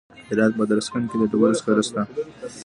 د هرات په ادرسکن کې د ډبرو سکاره شته.